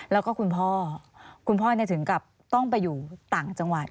แล้วก็คุณพ่อคุณพ่อถึงกับต้องไปอยู่ต่างจังหวัด